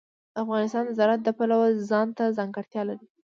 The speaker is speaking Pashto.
افغانستان د زراعت د پلوه ځانته ځانګړتیا لري.